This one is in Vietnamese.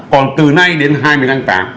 còn từ nay đến hai mươi tháng tám